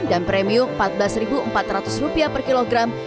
dan premium rp empat belas empat ratus per kilogram